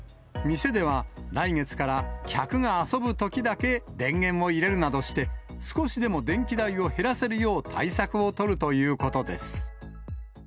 店では、来月から客が遊ぶときだけ電源を入れるなどして、少しでも電気代を減らせるよう、対策を取るということです。